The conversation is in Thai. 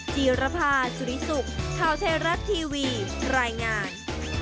จีรภาสุริสุขข่าวไทยรัฐทีวีรายงาน